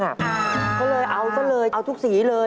ก็เลยเอาซะเลยเอาทุกสีเลย